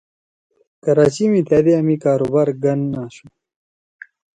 کراچی می تھأ دیا می کاروبار گن آشُو